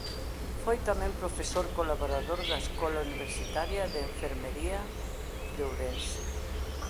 Foi tamén profesor colaborador da Escola Universitaria de Enfermería de Ourense.